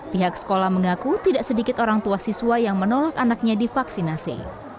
pihak sekolah mengaku tidak sedikit orang tua siswa yang menolak anaknya divaksinasi